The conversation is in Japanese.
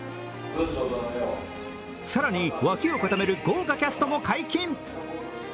更に、脇を固める豪華キャストも解禁。